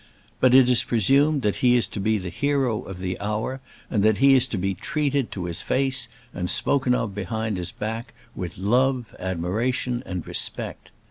But it is presumed that he is to be the hero of the hour, and that he is to be treated to his face, and spoken of behind his back, with love, admiration, and respect.